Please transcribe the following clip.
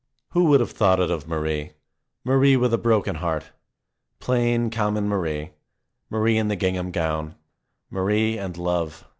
Who would have thought it of Marie? Marie with a broken heart! Plain, common Marie! Marie in the gingham gown. Marie and love.